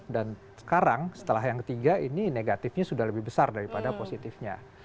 dan sekarang setelah yang ketiga ini negatifnya sudah lebih besar daripada positifnya